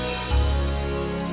mending gue balik aja dah